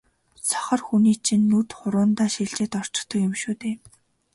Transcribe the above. сохор хүний чинь нүд хуруундаа шилжээд орчихдог юм шүү дээ.